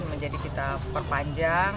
menjadi kita perpanjang